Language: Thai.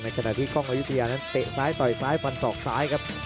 ขณะที่กล้องอายุทยานั้นเตะซ้ายต่อยซ้ายฟันศอกซ้ายครับ